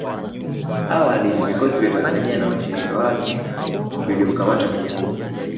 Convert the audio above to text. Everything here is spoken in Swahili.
Awali vikosi vya Tanzania na washirika wake viliukamata mji huo